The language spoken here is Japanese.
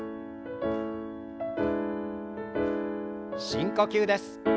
深呼吸です。